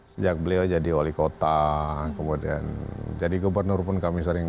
sejak beliau jadi wali kota kemudian jadi gubernur pun kami sering